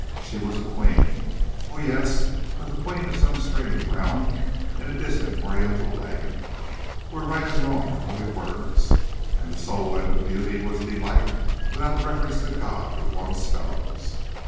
She was a queen. Oh, yes, but the queen of some strange realm in a distant oriental land, where right and wrong were only words, and the sole end of beauty was delight, without reference to God or one's fellows.